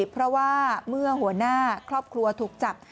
เพราะว่าเมื่อหัวหน้าครอบครัวถูกจับ